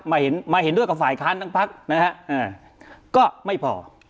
มาเห็นมาเห็นด้วยกับฝ่ายค้านทั้งพักนะฮะก็ไม่พอ